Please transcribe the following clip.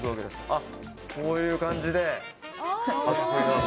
こういう感じで。